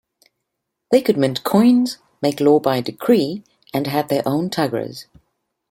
They could mint coins, make law by decree, and had their own tughras.